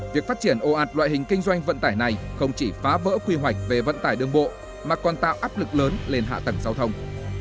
việc phát triển ồ ạt loại hình kinh doanh vận tải này không chỉ phá vỡ quy hoạch về vận tải đường bộ mà còn tạo áp lực lớn lên hạ tầng giao thông